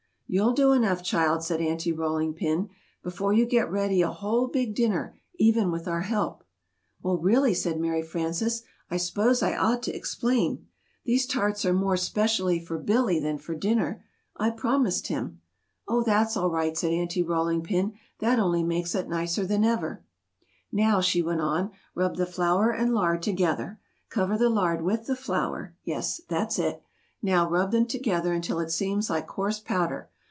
"You'll do enough, child," said Aunty Rolling Pin, "before you get ready a whole big dinner, even with our help." "Well, really," said Mary Frances, "I 'spose I ought to explain: These tarts are more 'specially for Billy than for dinner. I promised him " "Oh, that's all right," said Aunty Rolling Pin; "that only makes it nicer than ever!" [Illustration: Dumped a cup of flour into it.] "Now," she went on, "rub the flour and lard together. Cover the lard with the flour. Yes, that's it! Now, rub them together until it seems like coarse powder.